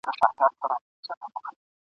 نظرونه دي زر وي خو بیرغ باید یو وي ..